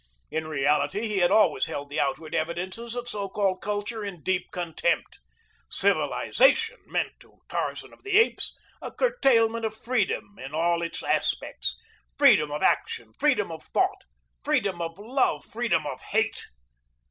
In reality he had always held the outward evidences of so called culture in deep contempt. Civilization meant to Tarzan of the Apes a curtailment of freedom in all its aspects freedom of action, freedom of thought, freedom of love, freedom of hate.